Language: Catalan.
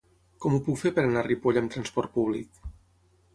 Com ho puc fer per anar a Ripoll amb trasport públic?